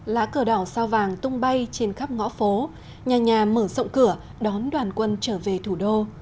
lá cờ đỏ sao vàng tung bay trên khắp ngõ phố nhà nhà mở rộng cửa đón đoàn quân trở về thủ đô